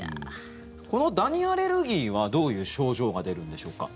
このダニアレルギーはどういう症状が出るんでしょうか？